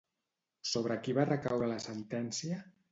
Sobre qui va recaure la sentència?